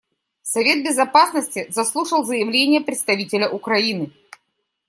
Совет Безопасности заслушал заявление представителя Украины.